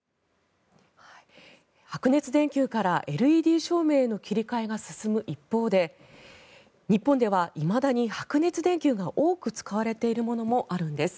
白熱電球からＬＥＤ照明への切り替えが進む一方で日本ではいまだに白熱電球が多く使われているものもあるんです。